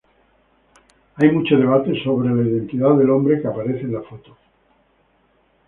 Hay mucho debate acerca de la identidad del hombre que aparece en la foto.